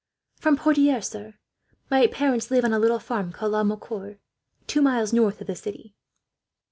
"From Poitiers, sir. My parents live on a little farm called La Machoir, two miles north of the city."